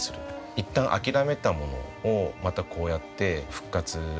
いったん諦めたものをまたこうやって復活させてあげられる。